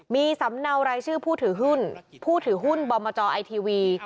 มีสำเนารายชื่อผู้ถือหุ้นผู้ถือหุ้นบอมจอไอทีวี